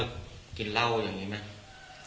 กินเหล้าอย่างนี้ไหม